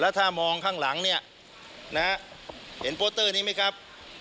ถ้ามองข้างหลังเนี่ยนะฮะเห็นโปสเตอร์นี้ไหมครับ